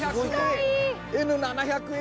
Ｎ７００Ａ！